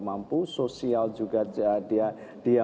mampu sosial juga dia